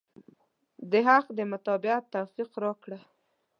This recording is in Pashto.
د حق د متابعت توفيق راکړه.